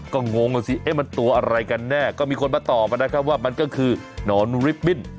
ก็งงอ่ะสิมันตัวอะไรกันแน่ก็มีคนมาตอบนะครับว่ามันก็คือหนอนริบบิ้น